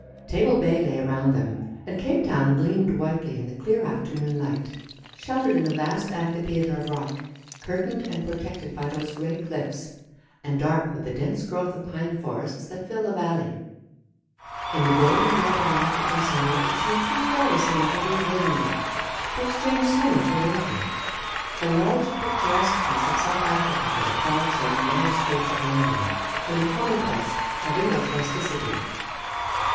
Table Bay lay around them, and Cape Town gleamed whitely in the clear afternoon light, sheltered in the vast amphitheatre of rock, curtained and protected by those grey cliffs, and dark with the dense growth of pine forests that fill the valley. In the golden light of an African summer it seemed too fair a scene to leave willingly, to ex change summer for winter, the large picturesqueness of South Africa for the fogs and narrow streets of London, and the commonplace of English rusti city.